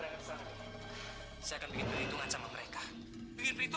ada apa dengan person itu